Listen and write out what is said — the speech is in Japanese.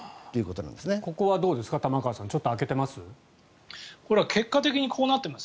ここはどうですか玉川さん開けてます？